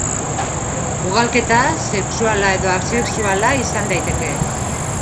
Ugalketa sexuala edo asexuala izan daiteke.